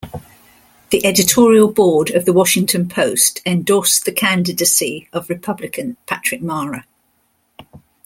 The editorial board of The Washington Post endorsed the candidacy of Republican Patrick Mara.